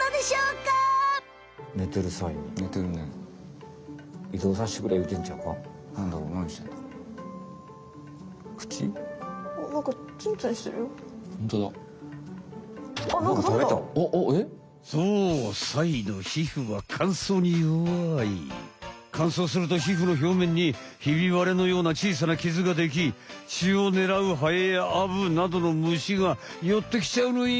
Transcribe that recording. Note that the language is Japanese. かんそうすると皮膚のひょうめんにひびわれのようなちいさなきずができちをねらうハエやアブなどの虫がよってきちゃうのよ！